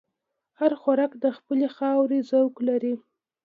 هر خوراک د خپلې خاورې ذوق لري.